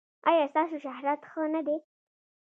ایا ستاسو شهرت ښه نه دی؟